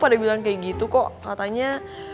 pada bilang kayak gitu kok katanya